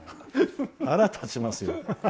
腹が立ちますよ！